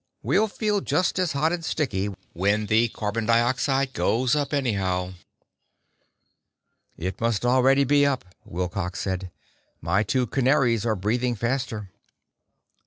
We'll feel just as hot and sticky when the carbon dioxide goes up, anyhow." "It must already be up," Wilcox said. "My two canaries are breathing faster."